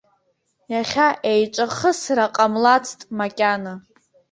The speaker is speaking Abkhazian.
Иахьа еиҿахысра ҟамлацт макьана.